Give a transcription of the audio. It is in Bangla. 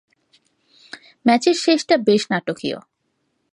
ম্যাচের শেষটাও বেশ নাটকীয়।